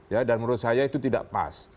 ya dan menurut saya itu tidak pas